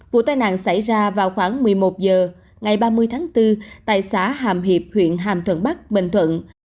vụ tai nạn xảy ra vào khoảng một mươi một h ngày ba mươi tháng bốn tại xã hàm hiệp huyện hàm thuận bắc bình thuận